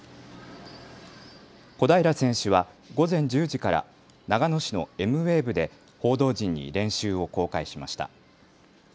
小平選手は午前１０時から長野市のエムウェーブで報道陣に練習を公開しました。